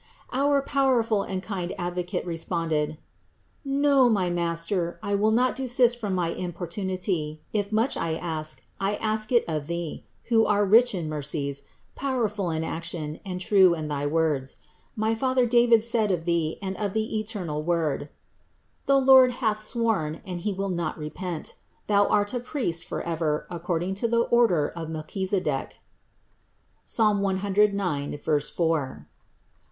Our powerful and kind Advocate re sponded : "No, my Master, I will not desist from my importunity; if much I ask, I ask it of Thee, who are rich in mercies, powerful in action, true in thy words. My father David said of Thee and of the eternal Word : "The Lord hath sworn, and He will not repent : Thou art a priest forever according to the order of Melchise dech" (Ps. 109, 4).